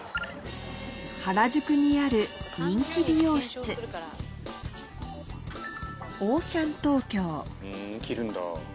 原宿にある人気美容室切るんだ。